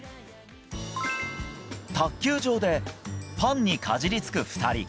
卓球場でパンにかじりつく